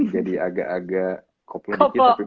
jadi agak agak koplo dikit